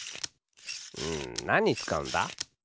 うんなににつかうんだ？